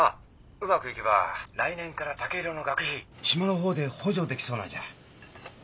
うまくいけば来年から剛洋の学費島のほうで補助できそうなんじゃ。